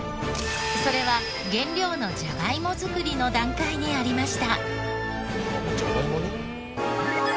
それは原料のジャガイモ作りの段階にありました。